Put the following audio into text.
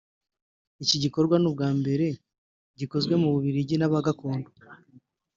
Iki gikorwa ni ubwa mbere gikozwe mu Bubiligi n’Abagakondo